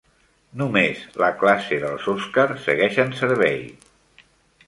Només la classe dels Oscar segueix en servei.